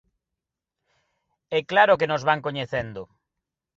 E claro que nos van coñecendo.